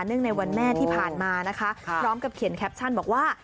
ในวันแม่ที่ผ่านมานะคะพร้อมกับเขียนแคปชั่นบอกว่า